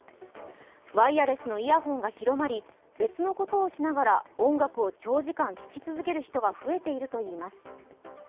ワイヤレスのイヤホンが広まり別のことをしながら音楽を長時間聴き続ける人が増えているといいます。